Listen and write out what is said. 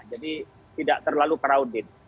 jadi tidak terlalu karaudit